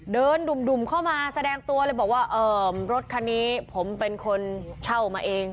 ดุ่มเข้ามาแสดงตัวเลยบอกว่ารถคันนี้ผมเป็นคนเช่ามาเอง